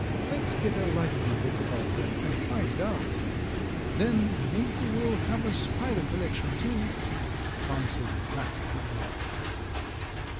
Let's get a library book about them and find out; then may be we'll have a spider collection, too," answered the practical brother.